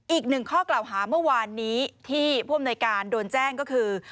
อีกหนึ่งข้อกล่าวหาเมื่อวานนี้ที่ผู้อำนวยการโดนแจ้งก็คือ